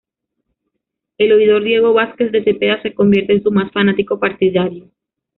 El oidor Diego Vásquez de Cepeda se convierte en su más fanático partidario.